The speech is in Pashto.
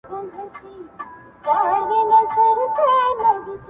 زړه راته زخم کړه، زارۍ کومه.